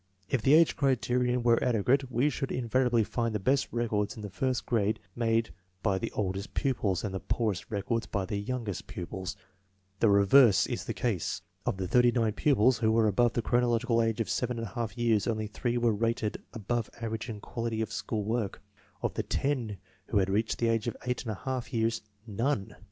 If the age criterion were adequate we should invariably find the best records in the first grade made by the oldest pupils, and the poorest records by the youngest pupils. The reverse is the case. Of the 89 pupils who were above the chronological age of 7J years, only 3 were rated above average in quality of school work; of the 10 who had reached the age of 8| years, none.